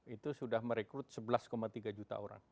itu sudah merekrut sebelas tiga juta orang